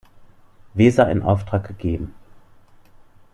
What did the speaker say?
Weser in Auftrag gegeben.